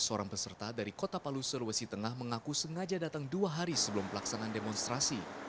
seorang peserta dari kota palu sulawesi tengah mengaku sengaja datang dua hari sebelum pelaksanaan demonstrasi